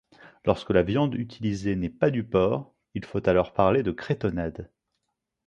Lorsque la viande utilisée n'est pas du porc, il faut alors parler de cretonnade.